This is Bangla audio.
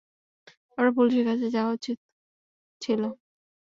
আমার পুলিশের কাছে যাওয়া উচিত ছিল।